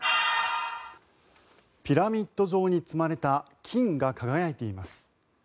ピラミッド状に積まれた金が輝いています。